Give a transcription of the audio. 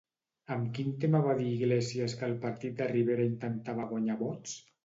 Amb quin tema va dir Iglesias que el partit de Rivera intentava guanyar vots?